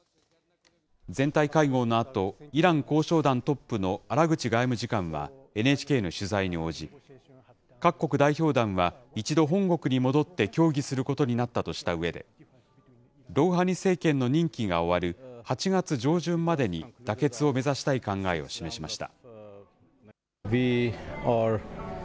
全体会合のあと、イラン交渉団トップのアラグチ外務次官はＮＨＫの取材に応じ、各国代表団は一度本国に戻って協議することになったとしたうえで、ロウハニ政権の任期が終わる８月上旬までに妥結を目指したい考えを示しました。